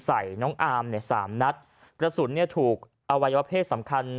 ใส่น้องอามเนี่ยสามนัดกระสุนเนี่ยถูกอวัยวะเพศสำคัญ